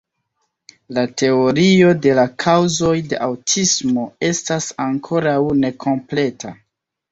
La teorio de la kaŭzoj de aŭtismo estas ankoraŭ nekompleta.